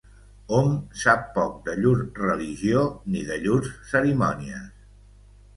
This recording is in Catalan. Hom sap poc de llur religió ni de llurs cerimònies.